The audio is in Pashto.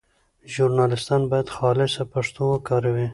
ژورنالیستان باید خالصه پښتو وکاروي.